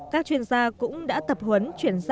các chuyên gia cũng đã tập huấn chuyển giao